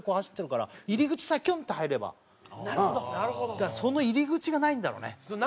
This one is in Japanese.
だからその入り口がないんだろうね。